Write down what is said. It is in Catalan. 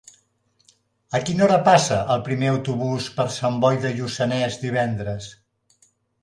A quina hora passa el primer autobús per Sant Boi de Lluçanès divendres?